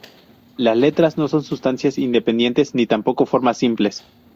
Las letras no son sustancias independientes ni tampoco formas simples.